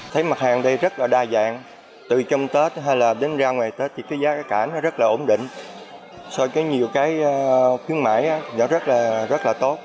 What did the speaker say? thấy mặt hàng ở đây rất là đa dạng từ trong tết hay là đến ra ngoài tết thì cái giá cản rất là ổn định so với nhiều cái khuyến mãi đó rất là tốt